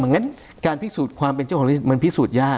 หรือกันการพิสูจน์ความเป็นเจ้าของลิขสิทธิ์มันพิสูจน์ยาก